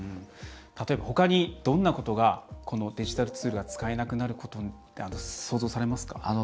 例えばほかにどんなことがこのデジタルツールが使えなくなることで想像されますか？